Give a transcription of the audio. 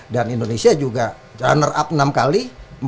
dan indonesia juga runner up enam kali